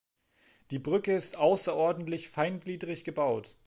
Die Brücke ist ausserordentlich feingliedrig gebaut.